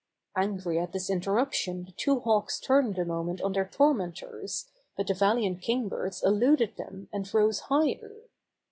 Angry at this interruption the two Hawks turned a moment on their tormentors, but the valiant Kingbirds eluded them and rose higher.